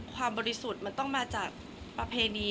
บริสุทธิ์มันต้องมาจากประเพณี